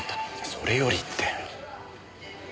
「それより」って。